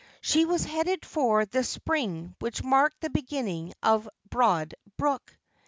She was headed for the spring which marked the beginning of Broad Brook.